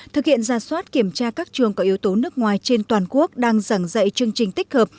thực hiện ra soát kiểm tra các trường có yếu tố nước ngoài trên toàn quốc đang giảng dạy chương trình tích hợp